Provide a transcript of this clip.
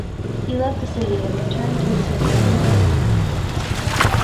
He left the city and returned to his Hungarian homeland.